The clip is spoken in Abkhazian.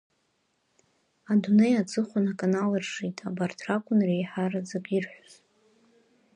Адунеи аҵыхәан аканал ржит абарҭ ракәын реиҳараӡак ирҳәоз.